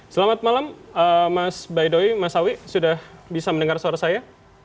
selamat malam mas baidoy mas sawi sudah bisa mendengar suara saya